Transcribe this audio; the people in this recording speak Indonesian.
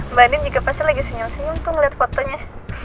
mbak nin juga pasti lagi senyum senyum tuh ngeliat fotonya